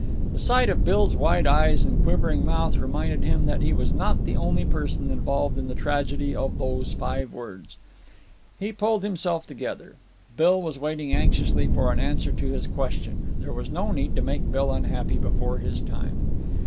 The sight of Bill's wide eyes and quivering mouth reminded him that he was not the only person involved in the tragedy of those five words. He pulled himself together. Bill was waiting anxiously for an answer to his question. There was no need to make Bill unhappy before his time.